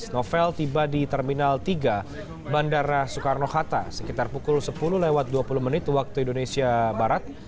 novel tiba di terminal tiga bandara soekarno hatta sekitar pukul sepuluh lewat dua puluh menit waktu indonesia barat